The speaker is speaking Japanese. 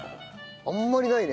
あんまりないね。